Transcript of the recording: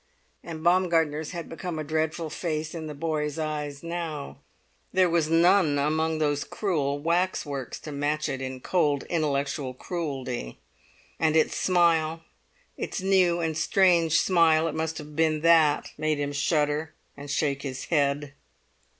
And Baumgartner's had become a dreadful face in the boy's eyes now; there was none among those cruel waxworks to match it in cold intellectual cruelty; and its smile—its new and strange smile it must have been that made him shudder and shake his head.